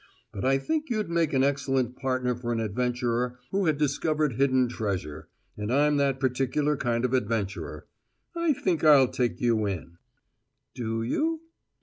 But I think you'd make an excellent partner for an adventurer who had discovered hidden treasure; and I'm that particular kind of adventurer. I think I'll take you in." "Do you?"